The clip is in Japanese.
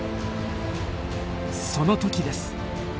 その時です。